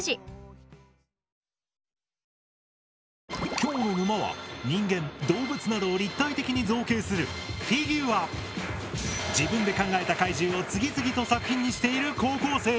きょうの沼は人間・動物などを立体的に造形する自分で考えた怪獣を次々と作品にしている高校生！